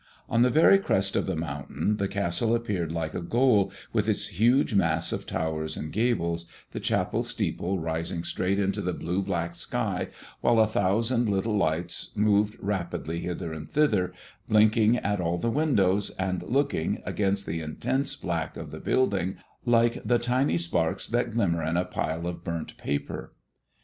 On the very crest of the mountain the castle appeared like a goal, with its huge mass of towers and gables, the chapel steeple rising straight into the blue black sky, while a thousand little lights moved rapidly hither and thither, blinking at all the windows, and looking, against the intense black of the building, like the tiny sparks that glimmer in a pile of burnt paper.